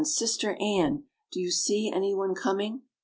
Sister Anne! Do you see any one coming?"